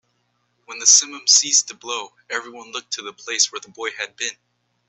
When the simum ceased to blow, everyone looked to the place where the boy had been.